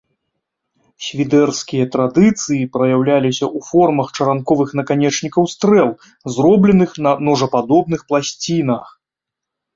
Свідэрскія традыцыі праяўляліся ў формах чаранковых наканечнікаў стрэл, зробленых на ножападобных пласцінах.